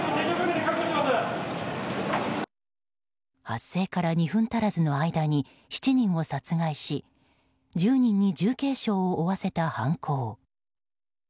発生から２分足らずの間に７人を殺害し１０人に重軽傷を負わせた犯行。